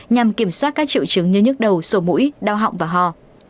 nhằm kiểm soát các triệu chứng như nhức đầu sổ mũi đau họng và hò